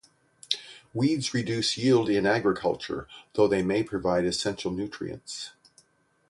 Weeds reduce yield in agriculture, though they may provide essential nutrients.